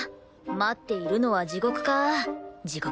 待っているのは地獄か地獄。